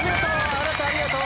ありがとう！